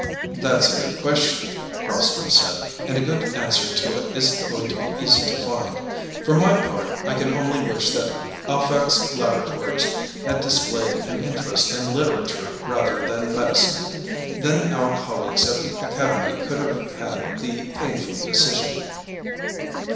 "That's a good question," Carlstrom said, "and a good answer to it isn't going to be easy to find. For my part, I can only wish that Alphax Laboratories had displayed an interest in literature rather than medicine. Then our colleagues at the Academy could have had the painful decision."